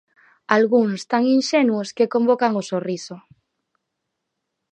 Algúns tan inxenuos que convocan o sorriso.